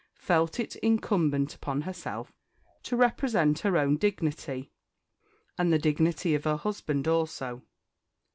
felt it incumbent upon herself to represent her own dignity, and the dignity of her husband also.